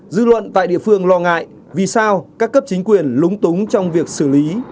dư luận tại địa phương lo ngại vì sao các cấp chính quyền lúng túng trong việc xử lý